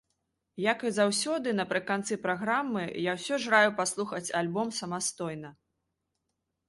Як і заўсёды напрыканцы праграмы, я ўсё ж раю паслухаць альбом самастойна.